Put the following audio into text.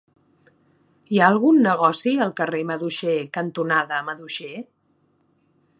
Hi ha algun negoci al carrer Maduixer cantonada Maduixer?